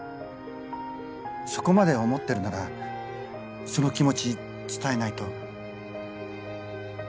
そこまで思ってるならその気持ち伝えないと。